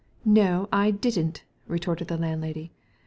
"No, I didnV retorted the landlady.